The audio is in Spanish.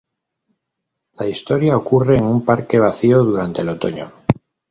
La historia ocurre en un parque vacío durante el otoño.